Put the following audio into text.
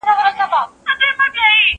زه پرون انځورونه رسم کړل؟!